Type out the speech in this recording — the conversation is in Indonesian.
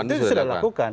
itu sudah dilakukan